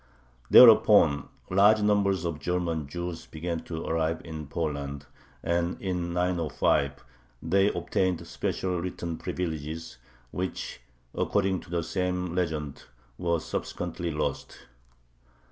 Thereupon large numbers of German Jews began to arrive in Poland, and, in 905, they obtained special written privileges, which, according to the same legend, were subsequently lost.